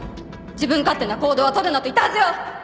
自分勝手な行動は取るなと言ったはずよ！